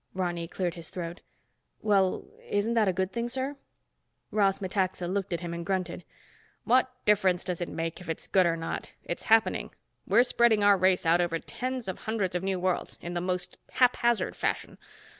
Ronny cleared his throat. "Well, isn't that a good thing, sir?" Ross Metaxa looked at him and grunted. "What difference does it make if it's good or not? It's happening. We're spreading our race out over tens of hundreds of new worlds in the most haphazard fashion.